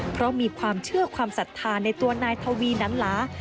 เพราะมีความเชื่อความศรัทธาในตัวนายทวีน้ำหลา